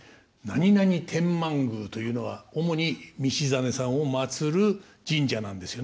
何々天満宮というのは主に道真さんを祀る神社なんですよね。